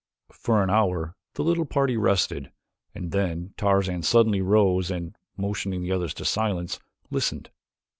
For an hour the little party rested and then Tarzan suddenly rose and, motioning the others to silence, listened.